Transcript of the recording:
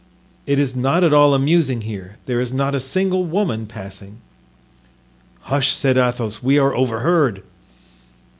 It is not at all amusing here; there is not a single woman passing." "Hush!" said Athos, "we are overheard."